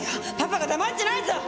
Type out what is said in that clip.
パパが黙ってないぞ！